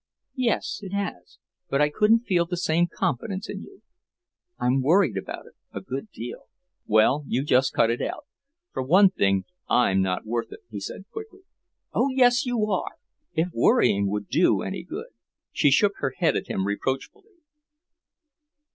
"Yes, it has. I couldn't feel the same confidence in you. I've worried about it a good deal." "Well, you just cut it out. For one thing, I'm not worth it," he said quickly. "Oh, yes, you are! If worrying would do any good " she shook her head at him reproachfully.